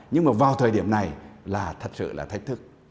nhưng mà vào thời điểm này là thật sự là thách thức